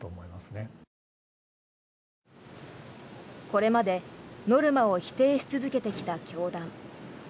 これまでノルマを否定し続けてきた教団。